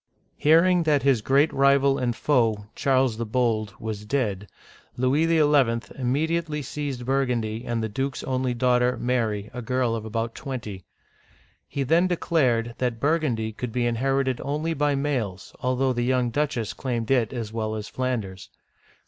Hearing that his great rival and foe, Charles the Bold, uigiTizea Dy vjiOOQlC 2IO OLD FRANCE was dead, Louis XL immediately seized Burgundy and the duke*s only daughter, Mary, a girl of about twenty. He then declared that Burgundy could be inherited only by males, although the young duchess claimed it as well as Flanders.